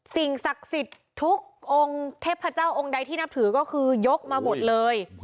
สิ่งศักดิ์สิทธิ์ทุกองค์เทพเจ้าองค์ใดที่นับถือก็คือยกมาหมดเลย